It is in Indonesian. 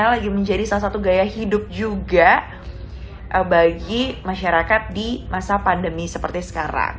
lagi menjadi salah satu gaya hidup juga bagi masyarakat di masa pandemi seperti sekarang